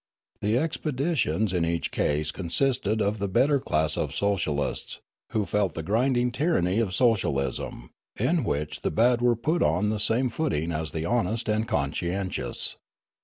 The expeditions in each case consisted of the better class of socialists, who felt the grinding tyranny of socialism, in which the bad are put on the same footing as the honest and conscientious.